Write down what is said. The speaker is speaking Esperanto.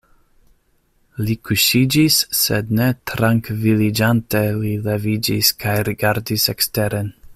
Li kuŝiĝis sed ne trankviliĝante li leviĝis kaj rigardis eksteren.